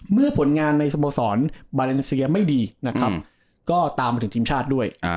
ผลงานในสโมสรบาเลนเซียไม่ดีนะครับก็ตามมาถึงทีมชาติด้วย